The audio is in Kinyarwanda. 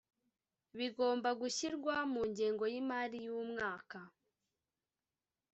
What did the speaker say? bigomba gushyirwa mu ngengo y’imari y’umwaka